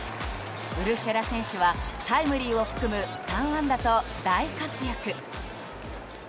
ウルシェラ選手はタイムリーを含む３安打と大活躍。